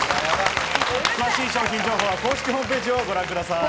詳しい商品情報は公式ホームページをご覧ください。